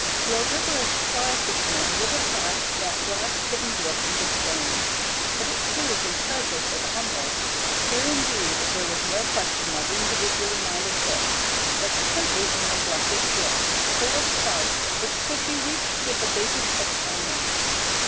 Your rigorous fly fisherman would have passed that grass hidden brook in disdain, but it proved a treasure for the humble. Here, indeed, there was no question of individually minded fish, but simply a neglected brook, full of trout which could be reached with the baited hook only.